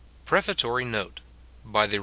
PREFATORY NOTE, BY THE REV.